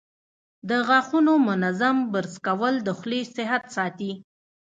د غاښونو منظم برش کول د خولې صحت ساتي.